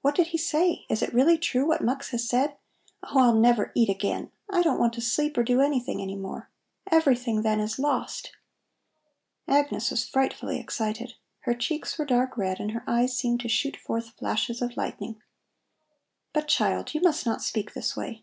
What did he say? Is it really true what Mux has said? Oh, I'll never eat again! I don't want to sleep or do anything any more. Everything, then, is lost!" Agnes was frightfully excited. Her cheeks were dark red and her eyes seemed to shoot forth flashes of lightning. "But, child, you must not speak this way.